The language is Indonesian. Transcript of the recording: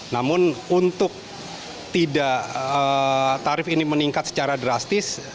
namun untuk tidak tarif ini meningkat secara drastis